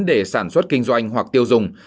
để sản xuất kinh doanh hoặc tiêu dùng